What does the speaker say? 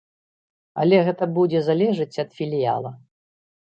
Але гэта будзе залежыць ад філіяла.